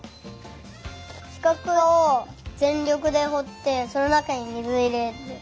しかくをぜんりょくでほってそのなかに水をいれる。